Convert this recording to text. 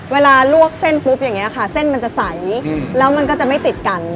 เวลาลวกเส้นปุ๊บอย่างนี้ค่ะเส้นมันจะใสแล้วมันก็จะไม่ติดกัน